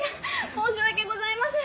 申し訳ございません！